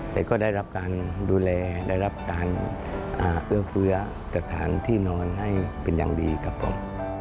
แต่ก็ได้รับการดูแลได้รับการเอื้อเฟื้อสถานที่นอนให้เป็นอย่างดีครับผม